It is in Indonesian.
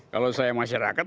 kalau saya packet